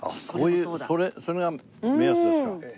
そういうそれが目安ですか。